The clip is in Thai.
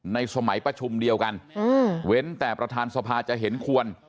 ในสมัยประชุมเดียวกันเว้นแต่ประธานสภาจะเห็นควร